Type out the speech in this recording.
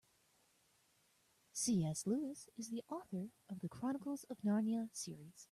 C.S. Lewis is the author of The Chronicles of Narnia series.